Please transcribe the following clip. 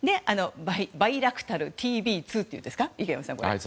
バイラクタルＴＢ２っていうんですか。